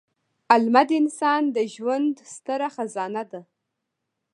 علمد انسان د ژوند ستره خزانه ده.